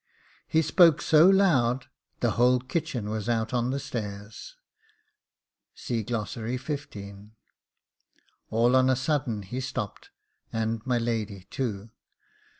He spoke so loud, the whole kitchen was out on the stairs. All on a sudden he stopped, and my lady too.